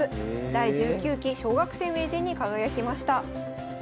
第１９期小学生名人に輝きました。